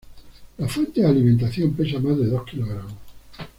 La fuente de alimentación pesa más de dos kilogramos.